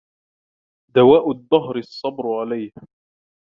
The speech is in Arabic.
دواء الدهر الصبر عليه